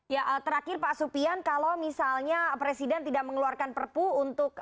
ya terakhir pak supian kalau misalnya presiden tidak mengeluarkan perpu untuk